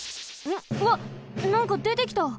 うわっなんかでてきた。